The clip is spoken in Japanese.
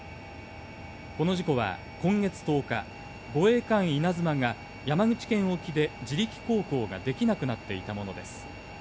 この事故は今月１０日、護衛艦「いなづま」が山口県沖で自力航行ができなくなっていたものです。